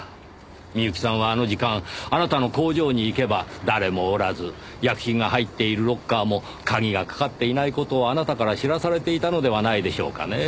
美由紀さんはあの時間あなたの工場に行けば誰もおらず薬品が入っているロッカーも鍵がかかっていない事をあなたから知らされていたのではないでしょうかね？